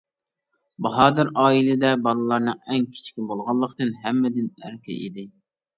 باھادىر ئائىلىدە بالىلارنىڭ ئەڭ كىچىكى بولغانلىقتىن ھەممىدىن ئەركە ئىدى.